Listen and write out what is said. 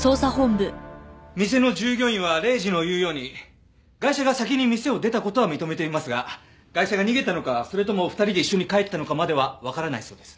店の従業員は礼二の言うようにガイシャが先に店を出た事は認めていますがガイシャが逃げたのかそれとも２人で一緒に帰ったのかまではわからないそうです。